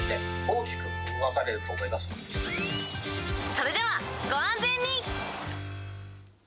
それではご安全に。